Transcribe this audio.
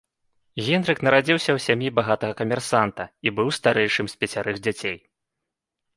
Генрык нарадзіўся ў сям'і багатага камерсанта і быў старэйшым з пяцярых дзяцей.